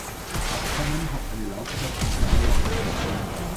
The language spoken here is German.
Das Abkommen hat eine Laufzeit von drei Jahren.